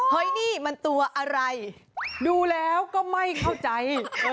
เฮ้ยนี่มันตัวอะไรดูแล้วก็ไม่เข้าใจ